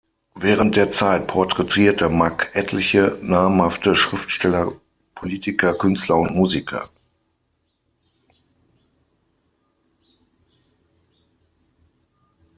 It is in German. Während der Zeit porträtierte Mack etliche namhafte Schriftsteller, Politiker, Künstler und Musiker.